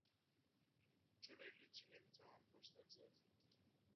جلوی لوطی نمیتوان پشتک زد.